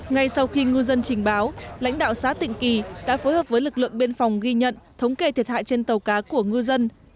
ngay sau khi ngư dân trình báo lãnh đạo xã tịnh kỳ đã phối hợp với lực lượng biên phòng ghi nhận thống kê thiệt hại trên tàu cá của ngư dân